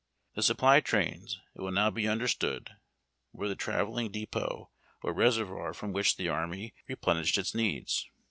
The sup2)ly trains, it will now be understood, were the travelling depot or reservoir from which the army re plenished its needs.